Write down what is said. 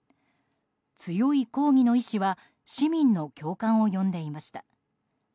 強い抗議の意思は市民の共感を呼んでいました。